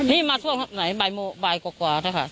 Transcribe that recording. นี่มาช่วงไหนบ่ายกว่ากว่าใช่ค่ะ